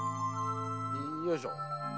よいしょ。